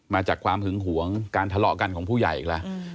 มาจากความหึงหวงการทะเลาะกันของผู้ใหญ่อีกแล้ว